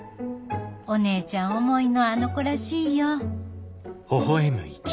お姉ちゃん思いのあの子らしいよ。